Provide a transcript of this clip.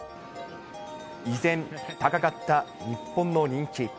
依然、高かった日本の人気。